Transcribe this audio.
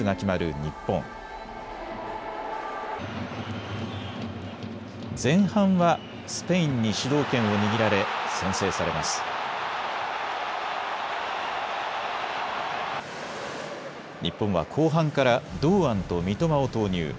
日本は後半から堂安と三笘を投入。